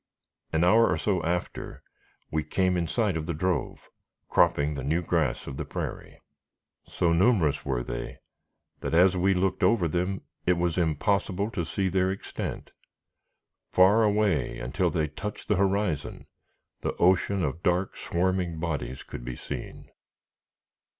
An hour or so after, we came in sight of the drove, cropping the new grass of the prairie. So numerous were they, that, as we looked over them, it was impossible to see their extent. Far away, until they touched the horizon, the ocean of dark, swarming bodies could be seen.